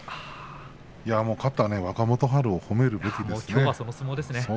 勝った若元春を褒めるべきですね。